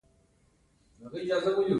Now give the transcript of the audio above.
نو دوی د نړۍ ډېره برخه غواړي